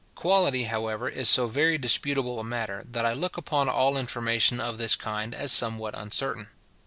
Quality, however, is so very disputable a matter, that I look upon all information of this kind as somewhat uncertain.